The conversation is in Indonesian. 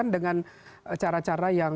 dengan cara cara yang